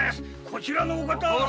こちらのお方は。